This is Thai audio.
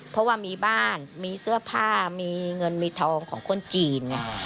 เพราะว่ามีบ้านมีเสื้อผ้ามีเงินมีทองของคนจีน